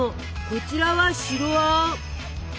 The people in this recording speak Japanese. こちらは白あん。